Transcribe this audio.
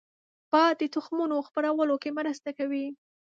باد د تخمونو خپرولو کې مرسته کوي